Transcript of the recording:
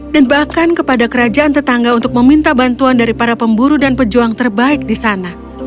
bahkan kepada kerajaan tetangga untuk meminta bantuan dari para pemburu dan pejuang terbaik di sana